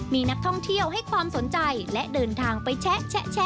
มีนักท่องเที่ยวให้ความสนใจและเดินทางไปแชะ